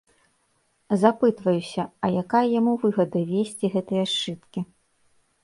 Запытваюся, а якая яму выгада, весці гэтыя сшыткі.